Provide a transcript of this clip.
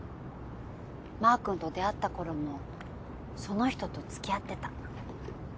マー君と出会ったころもその人とつきあってた。